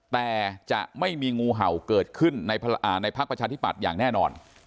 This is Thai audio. แต่จะไม่มีงูเห่าเกิดขึ้นในพักประชาธิปัตย์อย่างแน่นอน